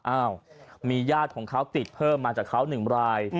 อ้าวมีญาติของเขาติดเพิ่มมาจากเขา๑ราย